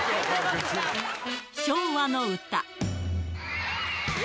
昭和の歌。